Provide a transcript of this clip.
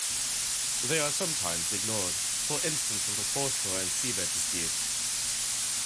They are sometimes ignored, for instance in the foreshore and seabed dispute.